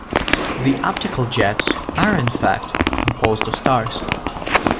The optical jets are in fact composed of stars.